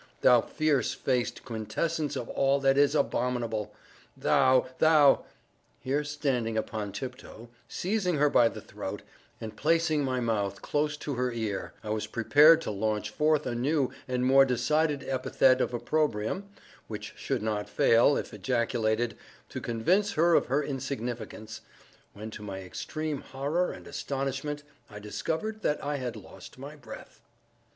—thou fiery faced quintessence of all that is abominable!—thou—thou—" here standing upon tiptoe, seizing her by the throat, and placing my mouth close to her ear, I was preparing to launch forth a new and more decided epithet of opprobrium, which should not fail, if ejaculated, to convince her of her insignificance, when to my extreme horror and astonishment I discovered that I had lost my breath.